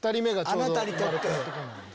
あなたにとって。